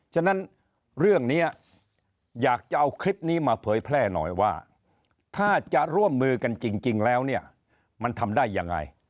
ฉะนั้นเรื่องนี้อยากจะเอาคลิปนี้มาเผยแพร่หน่อยว่าถ้าจะร่วมมือกันจริงแล้วเนี่ยมันทำได้ยังไง